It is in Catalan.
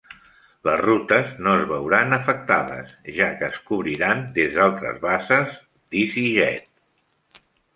Les rutes no es veuran afectades, ja que es cobriran des d'altres bases d'Easyjet.